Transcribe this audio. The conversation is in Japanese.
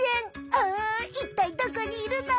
あいったいどこにいるの？